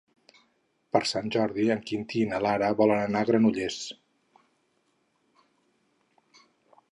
Per Sant Jordi en Quintí i na Lara volen anar a Granollers.